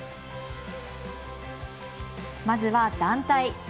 まずは団体。